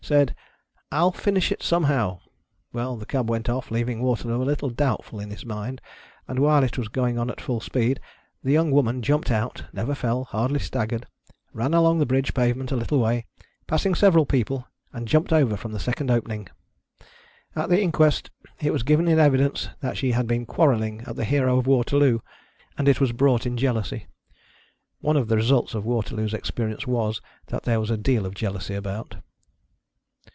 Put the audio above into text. said, " I'll finish it somehow !" Well, the cab went off, leaving Waterloo a little doubtful in his mind, and while it was going on at full speed the young woman jumped out, never fell, hardly stag gered, ran along the bridge pavement a little way passing several people, and jumped over from the second opening. At the inquest it was giv' in evidence that she had been quarrelling at the Hero of Waterloo, and it was brought in jealousy. (One of the results of Waterloo's experience was, that thsre was a deal of jealousy about.)